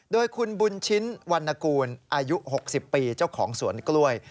โดยคุณบุญชิ้นวันนกูลอายุ๖๐ปีเจ้าของสวนกล้วย